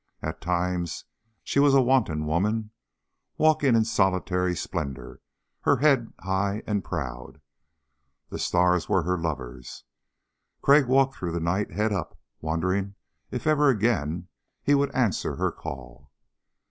And at times she was a wanton woman, walking in solitary splendor, her head high and proud. The stars were her lovers. Crag walked through the night, head up, wondering if ever again he would answer her call.